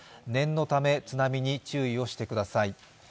念のため津波に注意をしてください。